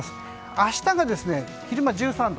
明日が、昼間１３度。